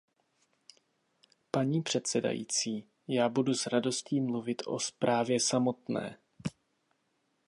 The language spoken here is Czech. Paní předsedající, já budu s radostí mluvit o zprávě samotné.